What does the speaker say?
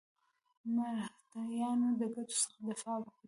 د مرهټیانو د ګټو څخه دفاع وکړي.